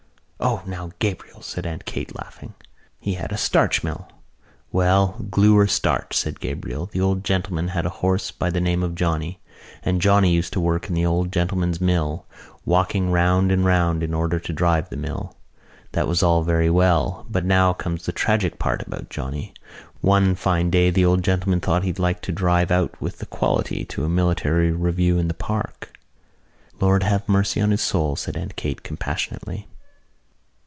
"O now, Gabriel," said Aunt Kate, laughing, "he had a starch mill." "Well, glue or starch," said Gabriel, "the old gentleman had a horse by the name of Johnny. And Johnny used to work in the old gentleman's mill, walking round and round in order to drive the mill. That was all very well; but now comes the tragic part about Johnny. One fine day the old gentleman thought he'd like to drive out with the quality to a military review in the park." "The Lord have mercy on his soul," said Aunt Kate compassionately.